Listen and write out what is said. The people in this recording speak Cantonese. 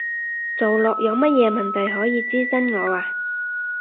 做落有乜嘢問題，可以諮詢我啊